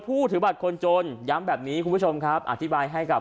ผู้ถือบัตรคนจนย้ำแบบนี้คุณผู้ชมครับอธิบายให้กับ